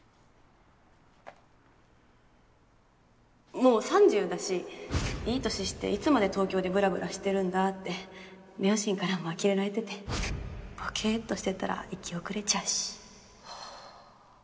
もう３０だしいい年していつまで東京でブラブラしてるんだって両親からもあきれられててボケっとしてたら行き遅れちゃうしハァ。